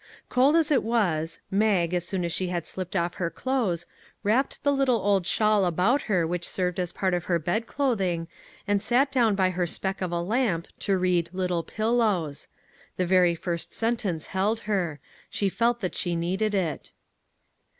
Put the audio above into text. Cold as it was, Mag, as soon as she had slip ped off her clothes, wrapped the little old shawl about her which served as part of her bed cloth ing, and sat down by her speck of a lamp to read " Little Pillows." The very first sentence held her ; she felt that she needed it.